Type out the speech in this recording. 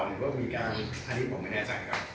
หรือว่ามีการอันนี้ผมไม่แน่ใจครับ